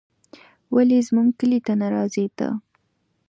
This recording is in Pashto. ولې زموږ کلي ته نه راځې ته